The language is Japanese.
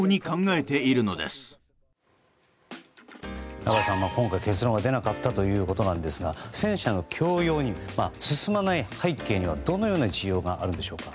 中林さん、今回、結論が出なかったということですが戦車の供与に進まない背景にはどのような事情があるんでしょうか。